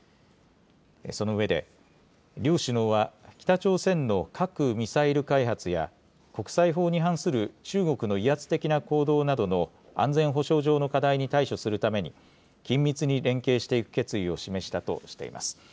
その上で、両首脳は北朝鮮の核・ミサイル開発や、国際法に反する中国の威圧的な行動などの安全保障上の課題に対処するために、緊密に連携していく決意を示したとしています。